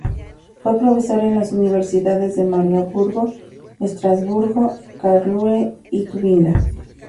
Fue profesor en las universidades de Marburgo, Estrasburgo, Karlsruhe y Tubinga.